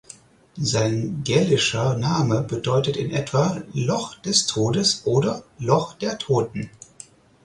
Sein gälischer Name bedeutet in etwa "Loch des Todes" oder "Loch der Toten".